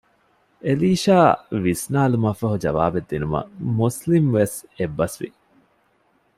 އެލީޝާ ވިސްނާލުމަށްފަހު ޖަވާބެއްދިނުމަށް މުސްލިމްވެސް އެއްބަސް ވި